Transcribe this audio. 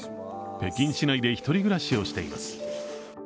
北京市内で１人暮らしをしています。